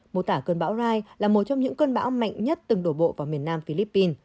mô tả cơn bão rai là một trong những cơn bão mạnh nhất từng đổ bộ vào miền nam philippines